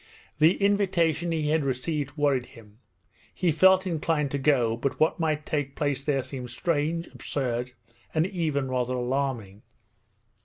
The invitation he had received worried him. He felt inclined to go, but what might take place there seemed strange, absurd, and even rather alarming.